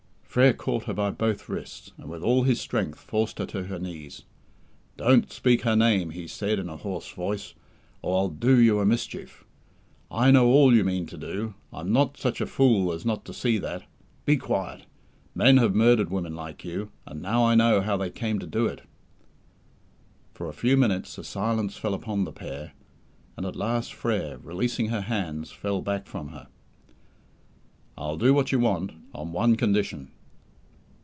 Frere caught her by both wrists, and with all his strength forced her to her knees. "Don't speak her name," he said in a hoarse voice, "or I'll do you a mischief. I know all you mean to do. I'm not such a fool as not to see that. Be quiet! Men have murdered women like you, and now I know how they came to do it." For a few minutes a silence fell upon the pair, and at last Frere, releasing her hands, fell back from her. "I'll do what you want, on one condition."